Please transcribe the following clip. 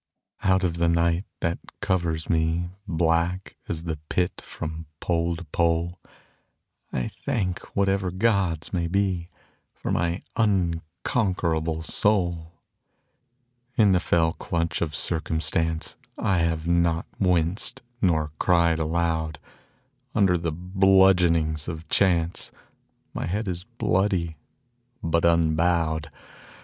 Out of the night that covers me, Black as the Pit from pole to pole, I thank whatever gods may be For my unconquerable soul. In the fell clutch of circumstance I have not winced nor cried aloud. Under the bludgeonings of chance My head is bloody, but unbowed.